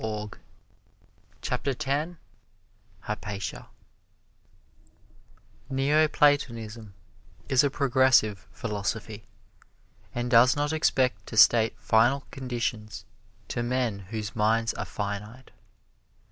[Illustration: HYPATIA] HYPATIA Neo Platonism is a progressive philosophy, and does not expect to state final conditions to men whose minds are finite.